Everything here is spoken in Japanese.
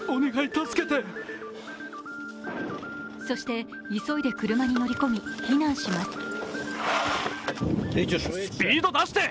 そして、急いで車に乗り込み避難します。